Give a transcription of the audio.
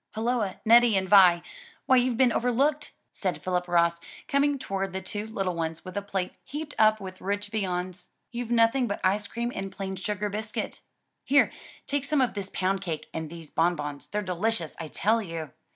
"Holloa, Neddie and Vi, why you've been overlooked!" said Philip Ross, coming toward the two little ones with a plate heaped up with rich viands, "you've nothing but ice cream and plain sugar biscuit; here, take some of this pound cake and these bonbons. They're delicious, I tell you!"